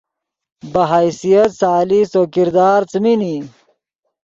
بہ حیثیت ثالث تو کردار څیمین ای